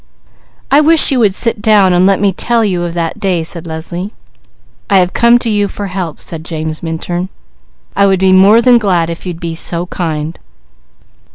"I wish you would sit down and let me tell you of that day," said Leslie. "I have come to you for help," said James Minturn. "I would be more than glad, if you'd be so kind."